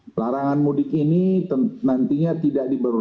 pelarangan mudik ini nantinya tidak diperlukan